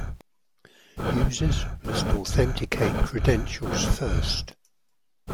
Users must authenticate credentials first.